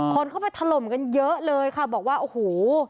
คนเข้าไปถล่มกันเยอะเลยค่ะบอกว่าโอ้โห